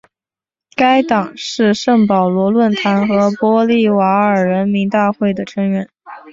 该党是圣保罗论坛和玻利瓦尔人民大会的成员。